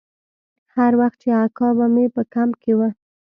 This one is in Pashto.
هر وخت چې اکا به مې په کمپ کښې و.